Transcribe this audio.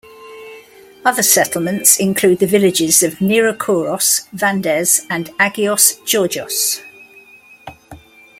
Other settlements include the villages of Nerokouros, Vandes and Agios Georgios.